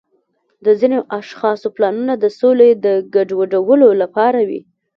د ځینو اشخاصو پلانونه د سولې د ګډوډولو لپاره وي.